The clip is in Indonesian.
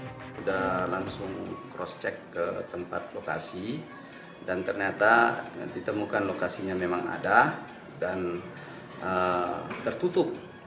sudah langsung cross check ke tempat lokasi dan ternyata ditemukan lokasinya memang ada dan tertutup